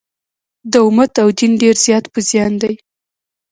د امت او دین ډېر زیات په زیان دي.